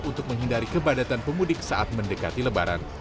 untuk menghindari kebadatan pemudik saat mendekati lebaran